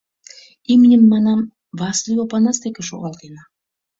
Имньым, — манам, — Васлий Опанас деке шогалтена.